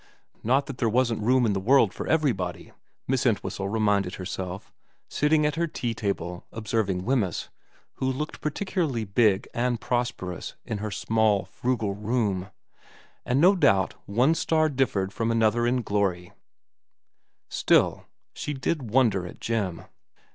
Not that there wasn't room in the world for everybody, Miss Entwhistle reminded herself, sitting at her tea table observing Wemyss, who looked particularly big and prosperous in her small frugal room, and no doubt one star differed from another in glory ; still, she did wonder at Jim.